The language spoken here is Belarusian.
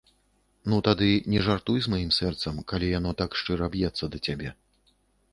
Ну, тады не жартуй з маім сэрцам, калі яно так шчыра б'ецца да цябе.